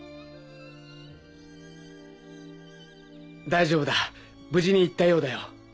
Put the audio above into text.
大丈夫だ無事に行ったようだよ。